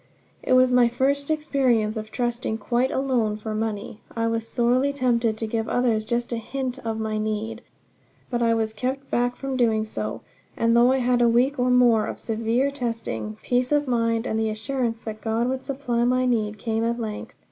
It was my first experience of trusting quite alone for money. I was sorely tempted to give others just a hint of my need. But I was kept back from doing so; and though I had a week or more of severe testing, peace of mind and the assurance that God would supply my need, came at length.